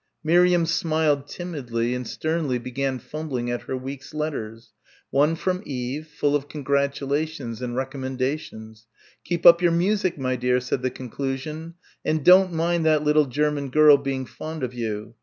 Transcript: Miriam smiled timidly and sternly began fumbling at her week's letters one from Eve, full of congratulations and recommendations "Keep up your music, my dear," said the conclusion, "and don't mind that little German girl being fond of you.